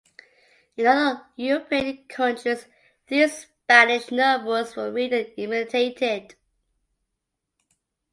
In other European countries, these Spanish novels were read and imitated.